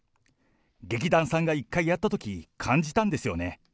劇団さんが一回やったとき、感じたんですよね。